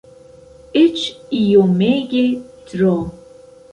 Eĉ iomege tro.